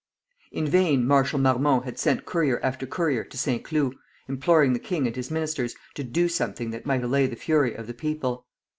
In vain Marshal Marmont had sent courier after courier to Saint Cloud, imploring the king and his ministers to do something that might allay the fury of the people.